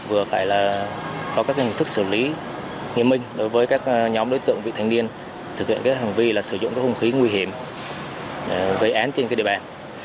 vừa phải là có các hình thức xử lý nghiêm minh đối với các nhóm đối tượng vị thanh niên thực hiện các hành vi là sử dụng các hung khí nguy hiểm gây án trên địa bàn